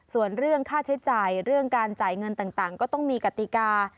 ส่วนเรื่องค่าใช้จ่ายเรื่องการจ่ายเงินต่างก็ต้องมีกติกา